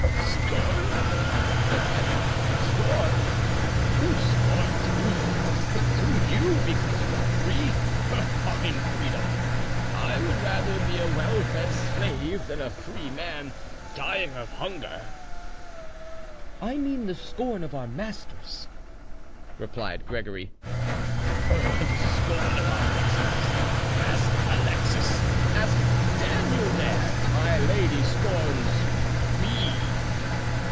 "Scorn!" said Ivan,—"scorn! Who scorns me? Do you, because you are free? Fine freedom! I would rather be a well fed slave than a free man dying of hunger." "I mean the scorn of our masters," replied Gregory. "The scorn of our masters! Ask Alexis, ask Daniel there, if my lady scorns me."